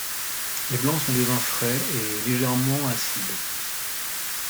Les blancs sont des vins frais et légèrement acides.